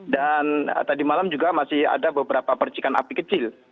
dan tadi malam juga masih ada beberapa percikan api kecil